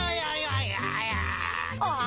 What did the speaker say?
ああ！